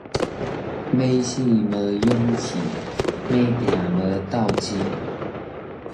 欲死無勇氣，欲拚無鬥志